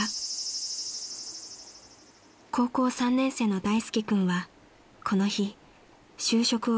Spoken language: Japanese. ［高校３年生の大介君はこの日就職を決める面接日］